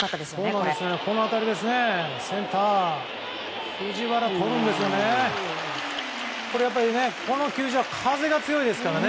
この当たりですね。